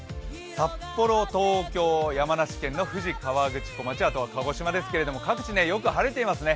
札幌、東京、山梨県の富士河口湖町、鹿児島ですけど、各地よく晴れていますね。